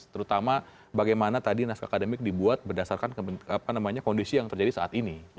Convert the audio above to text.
terutama bagaimana tadi naskah akademik dibuat berdasarkan kondisi yang terjadi saat ini